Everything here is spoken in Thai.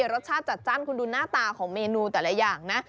รสชาติจัดจ้านคุณดูหน้าตาของเมนูแต่ละอย่างนะ